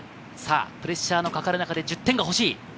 プレッシャーがかかる中で１０点が欲しい。